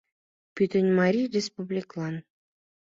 Пӱтынь Марий республикылан.